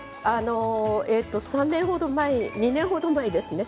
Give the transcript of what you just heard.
３年ほど前２年ほど前ですね。